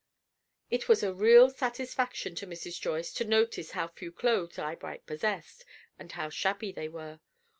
It was a real satisfaction to Mrs. Joyce to notice how few clothes Eyebright possessed, and how shabby they were.